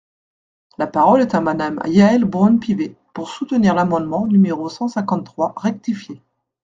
La parole est à Madame Yaël Braun-Pivet, pour soutenir l’amendement numéro cent cinquante-trois rectifié.